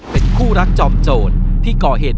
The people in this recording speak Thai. เป็นคู่รักจอมโจรที่ก่อเหตุ